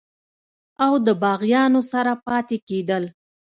او دَباغيانو سره پاتې کيدل